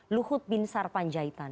luhut bin sar panjaitan